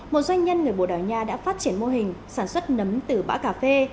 một doanh nhân người bồ đào nha đã phát triển mô hình sản xuất nấm từ bã cà phê